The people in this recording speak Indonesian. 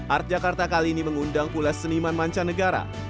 art jakarta kali ini mengundang pula seniman mancanegara